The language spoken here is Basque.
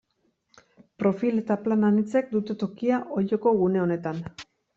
Profil eta plan anitzek dute tokia Olloko gune honetan.